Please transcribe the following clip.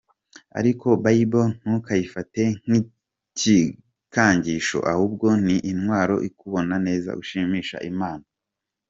Ariko Bible ntukayifate nk’igikangisho, Ahubwo intwaro yo kubaho neza ushimisha Imana.